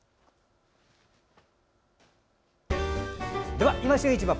では、「いま旬市場」